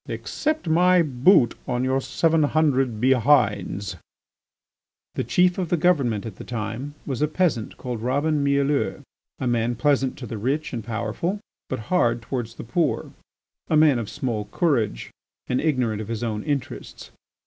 Accept my boot on your seven hundred behinds." The Chief of the Government at the time was a peasant called Robin Mielleux, a man pleasant to the rich and powerful, but hard towards the poor, a man of small courage and ignorant of his own interests.